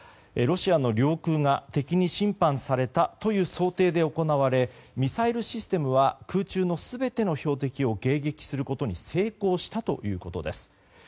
ロシアの領空が敵に侵犯されたという想定で行われ、ミサイルシステムは空中の全ての標的を迎撃することに成功したということです。